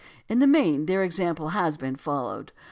In the main their example has been fol lowed.